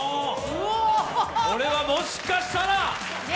おおこれはもしかしたら！